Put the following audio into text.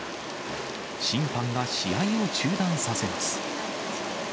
審判が試合を中断させます。